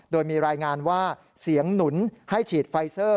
โดยมีรายงานว่าเสียงหนุนให้ฉีดไฟเซอร์